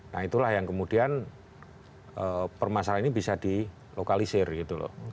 nah itulah yang kemudian permasalahan ini bisa dilokalisir gitu loh